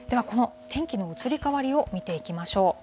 この天気の移り変わりを見ていきましょう。